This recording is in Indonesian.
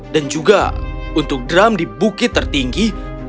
dan juga untuk drum di bukit tertinggi